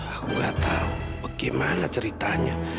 aku nggak tahu bagaimana ceritanya